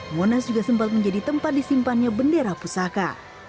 monas juga sempat menjadi tempat disimpannya bendera pusaka